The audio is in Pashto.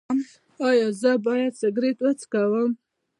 ایا زه باید سګرټ وڅکوم؟